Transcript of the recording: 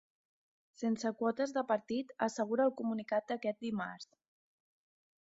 Sense quotes de partit, assegura el comunicat d’aquest dimarts.